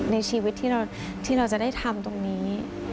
ในชีวิตที่เราจะได้ทำตรงนี้